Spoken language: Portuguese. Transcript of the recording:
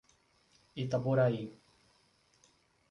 Itaboraí